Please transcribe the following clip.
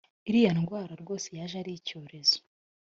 iriya ndwara rwose yaje ari icyorezo